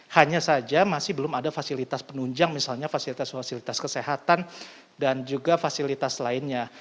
hanya saja masih belum ada fasilitas penunjang misalnya fasilitas fasilitas kesehatan dan juga fasilitas lainnya